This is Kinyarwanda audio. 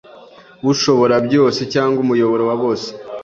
Ushoborabyose cyangwa Umuyoboro wa bose